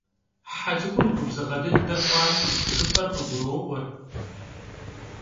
He ts'ık'ur gubzığe dıde xhuaş, jjıp'er khıguro'ue.